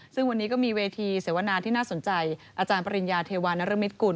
ซึ่งวันนี้ก็มีเวทีเสวนาที่น่าสนใจอาจารย์ปริญญาเทวานรมิตกุล